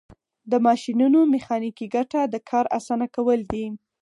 د ماشینونو میخانیکي ګټه د کار اسانه کول دي.